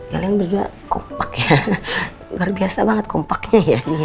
kalian berdua kompak ya luar biasa banget kompaknya ya